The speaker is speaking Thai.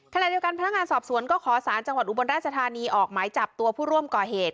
ขณะเดียวกันพนักงานสอบสวนก็ขอสารจังหวัดอุบลราชธานีออกหมายจับตัวผู้ร่วมก่อเหตุ